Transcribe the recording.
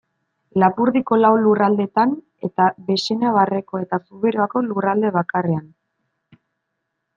Lapurdiko lau lurraldetan, eta Baxenabarreko eta Zuberoako lurralde bakarrean.